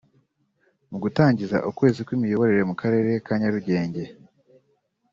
Mu gutangiza ukwezi kw’imiyoborere mu karere ka Nyarugenge